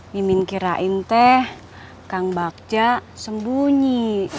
mimin kirain teh kang bagja sembunyi